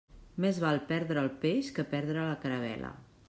Més val perdre el peix que perdre la caravel·la.